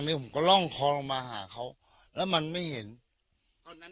ผมก็ล่องคอลงมาหาเขาแล้วมันไม่เห็นตอนนั้น